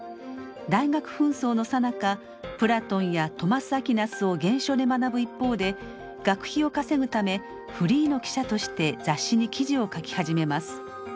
大学紛争のさなかプラトンやトマス・アクィナスを原書で学ぶ一方で学費を稼ぐためフリーの記者として雑誌に記事を書き始めます。